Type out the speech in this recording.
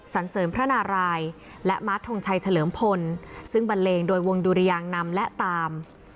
สันเสริมพระนารายและมาร์ททงชัยเฉลิมพลซึ่งบันเลงโดยวงดุรยางนำและตาม